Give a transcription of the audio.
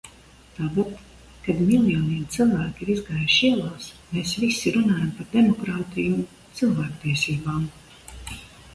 Tagad, kad miljoniem cilvēku ir izgājuši ielās, mēs visi runājam par demokrātiju un cilvēktiesībām.